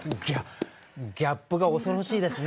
ギャップが恐ろしいですね